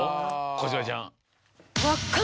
小芝ちゃん。